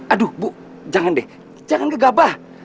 aduh bu jangan deh jangan gegabah